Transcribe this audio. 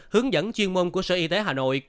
hướng dẫn chuyên môn của sở y tế hà nội